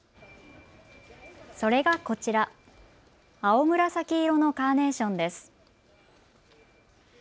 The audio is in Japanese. それがこちら、青紫色のカーネーションです。